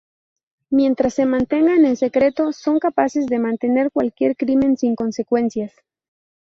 Mientras se mantengan en secreto, son capaces de cometer cualquier crimen sin consecuencias.